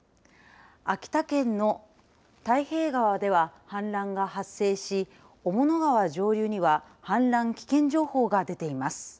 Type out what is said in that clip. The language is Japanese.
秋田県の太平川では氾濫が発生し雄物川上流には氾濫危険情報が出ています。